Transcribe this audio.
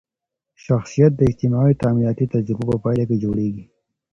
شخصیت د اجتماعي تعاملاتي تجربو په پایله کي جوړېږي.